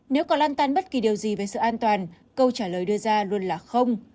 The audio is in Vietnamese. nếu còn lan tan bất kỳ điều gì về sự an toàn câu trả lời đưa ra luôn là không